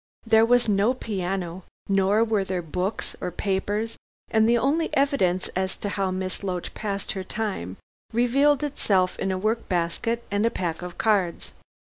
There was no piano, nor were there books or papers, and the only evidence as to how Miss Loach passed her time revealed itself in a work basket and a pack of cards.